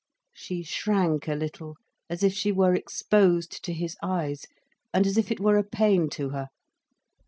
She shrank a little, as if she were exposed to his eyes, and as if it were a pain to her.